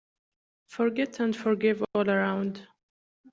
Forget and forgive all round!